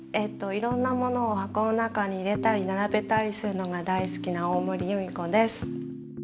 いろんなものを箱の中に入れたりならべたりするのが大好きな大森裕美子です。